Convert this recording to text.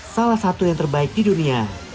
salah satu yang terbaik di dunia